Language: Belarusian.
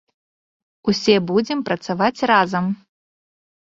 Усе будзем працаваць разам.